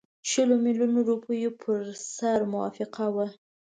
شلو میلیونو روپیو پر سر موافقه وه.